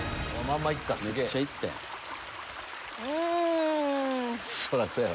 うん。